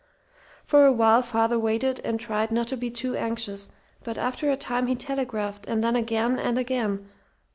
"For a while father waited and tried not to be too anxious; but after a time he telegraphed, and then again and again.